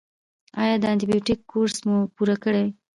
ایا د انټي بیوټیک کورس مو پوره کړی؟